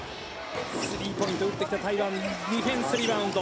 スリーポイントを打ってきた台湾ディフェンスリバウンド。